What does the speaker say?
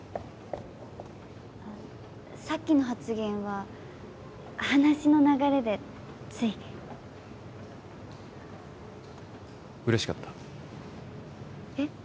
さっきの発言は話の流れでつい嬉しかったえっ？